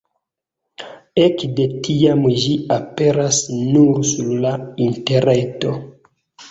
Ekde tiam ĝi aperas nur sur la interreto.